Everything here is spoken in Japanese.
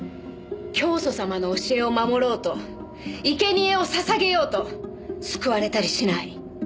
教祖様の教えを守ろうといけにえを捧げようと救われたりしない。